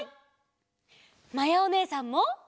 まやおねえさんも。